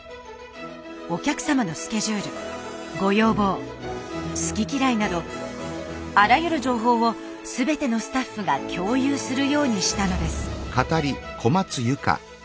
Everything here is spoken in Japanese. お客様のスケジュールご要望好き嫌いなどあらゆる情報を全てのスタッフが共有するようにしたのです。